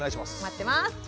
待ってます。